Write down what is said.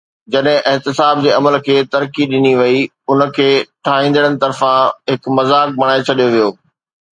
جڏهن احتساب جي عمل کي ترقي ڏني وئي، ان کي ٺاهيندڙن طرفان هڪ مذاق بڻائي ڇڏيو ويو.